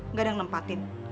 gak ada yang nempatin